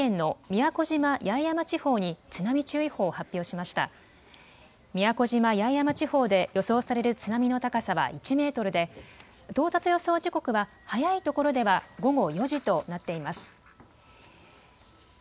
宮古島・八重山地方で予想される津波の高さは１メートルで到達予想時刻は早いところでは午後４時となっています。